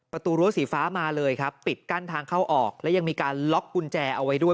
ประตูรั้วสีฟ้ามาเลยครับปิดกั้นทางเข้าออกและยังมีการล็อกกุญแจเอาไว้ด้วย